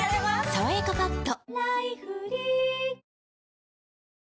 「さわやかパッド」